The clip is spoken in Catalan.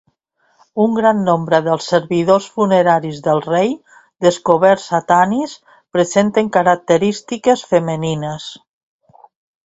Un gran nombre dels servidors funeraris del rei, descoberts a Tanis, presenten característiques femenines.